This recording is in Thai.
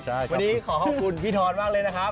วันนี้ขอขอบคุณพี่ทอนมากเลยนะครับ